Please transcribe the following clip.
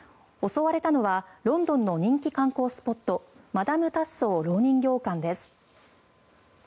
襲われたのはロンドンの人気観光スポットマダム・タッソーろう人形館です。